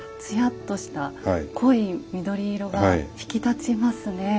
つやっとした濃い緑色が引き立ちますね。